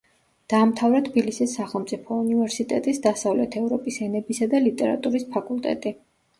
დაამთავრა თბილისის სახელმწიფო უნივერსიტეტის დასავლეთ ევროპის ენებისა და ლიტერატურის ფაკულტეტი.